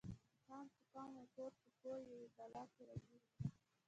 قام په قام او کور په کور یوې بلا کې راګیر و.